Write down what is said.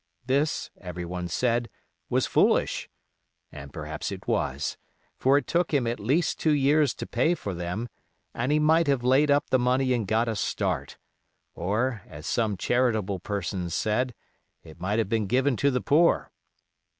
This, everyone said, was foolish, and perhaps it was, for it took him at least two years to pay for them, and he might have laid up the money and got a start, or, as some charitable persons said, it might have been given to the poor.